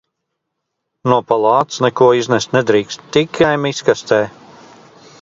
No palātas neko iznest nedrīkst, tikai miskastē.